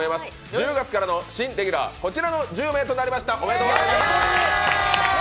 １０月からの新レギュラー、こちらの１０名となりました、おめでとうございます。